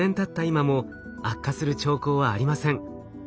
今も悪化する兆候はありません。